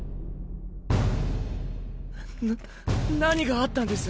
な何があったんです？